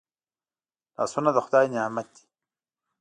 لاسونه د خدای نعمت دی